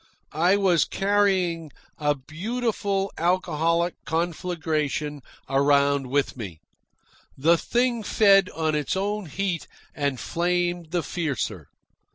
I was carrying a beautiful alcoholic conflagration around with me. The thing fed on its own heat and flamed the fiercer.